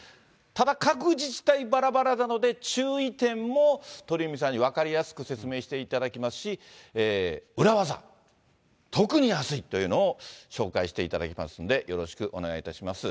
ただ、各自治体ばらばらなので、注意点も鳥海さんに分かりやすく説明していただきますし、裏技、特に安いというのを紹介していただきますので、よろしくお願いいたします。